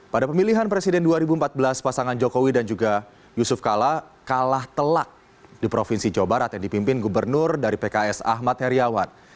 pada pemilihan presiden dua ribu empat belas pasangan jokowi dan juga yusuf kala kalah telak di provinsi jawa barat yang dipimpin gubernur dari pks ahmad heriawan